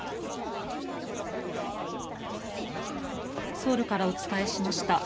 ソウルからお伝えしました。